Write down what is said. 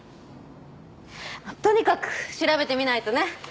とにかく調べてみないとね。